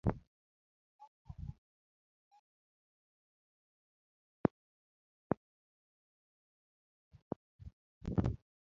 bang' paro matin, noparo ni e mier mar Mkomani miyo maro nodakie